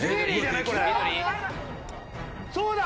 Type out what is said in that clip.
そうだ！